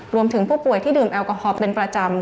รวมถึงผู้ป่วยที่ดื่มแอลกอฮอล์เป็นประจำ